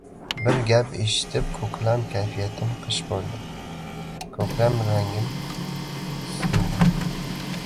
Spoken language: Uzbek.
Bir gap eshitib, ko‘klam kayfiyatim qish bo‘ldi. Ko‘klam rangim sindi.